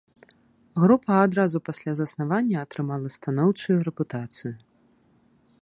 Група адразу пасля заснавання атрымала станоўчую рэпутацыю.